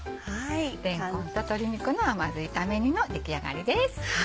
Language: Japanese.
「れんこんと鶏肉の甘酢炒め煮」の出来上がりです。